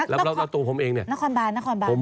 แล้วตัวผมเองเนี่ย